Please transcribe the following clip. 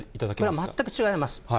これは全く違います。